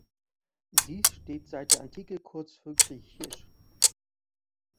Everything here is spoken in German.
Dies steht seit der Antike kurz für griech.